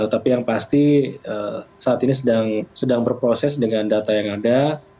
tapi yang pasti saat ini sedang berproses dengan data yang ada